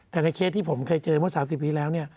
แต่ในเคสที่ผมเคยเจอเมื่อ๓๐ปีแล้วเนี่ย